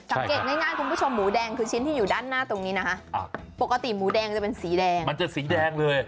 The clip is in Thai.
สังเกตง่ายคุณผู้ชมหมูแดงคือชิ้นที่อยู่ด้านหน้าตรงนี้นะคะปกติหมูแดงจะเป็นสีแดงมันจะสีแดงเลย